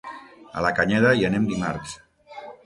A la Canyada hi anem dimarts.